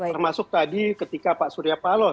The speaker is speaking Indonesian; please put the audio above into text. termasuk tadi ketika pak surya paloh